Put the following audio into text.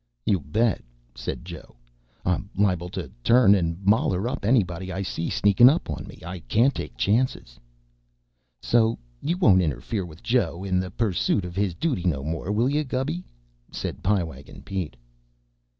"You bet," said Joe. "I'm liable to turn an' maller up anybody I see sneakin' on me. I can't take chances." "So you won't interfere with Joe in the pursoot of his dooty no more, will you, Gubby?" said Pie Wagon Pete.